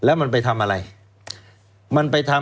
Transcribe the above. แล้วเขาก็ใช้วิธีการเหมือนกับในการ์ตูน